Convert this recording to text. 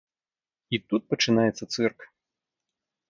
І тут пачынаецца цырк.